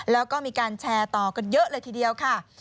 แล้วก็มีการแชร์ต่อกันเยอะเลยทีเดียวค่ะ